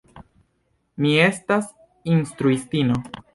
Mi estas instruistino.